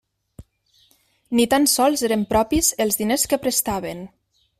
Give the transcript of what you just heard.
Ni tan sols eren propis els diners que prestaven.